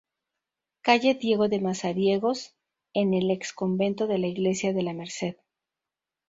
Calle Diego de Mazariegos, en el Ex convento de la Iglesia de la Merced.